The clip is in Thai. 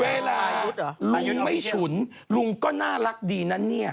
เวลาลุงไม่ฉุนลุงก็น่ารักดีนะเนี่ย